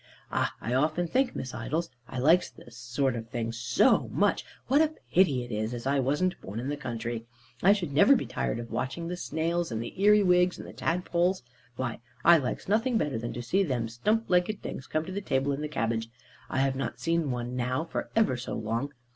Ah, I often think, Miss Idols, I likes this sort of thing so much, what a pity it is as I wasn't born in the country. I should never be tired of watching the snails, and the earywigs, and the tadpoles. Why, I likes nothing better than to see them stump legged things come to table in the cabbage. I have not seen one now for ever so long.